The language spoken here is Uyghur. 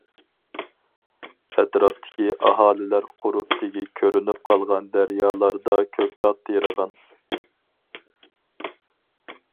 ئەتراپتىكى ئاھالىلەر قۇرۇپ تېگى كۆرۈنۈپ قالغان دەريالاردا كۆكتات تېرىغان.